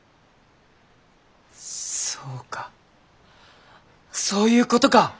そうかそういうことか！